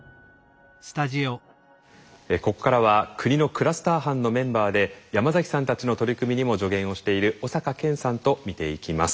ここからは国のクラスター班のメンバーで山崎さんたちの取り組みにも助言をしている小坂健さんと見ていきます。